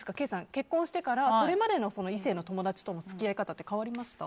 結婚してからそれまでの異性の友達との付き合い方って変わりました？